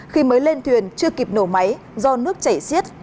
khi mới lên thuyền chưa kịp nổ máy do nước chảy xiết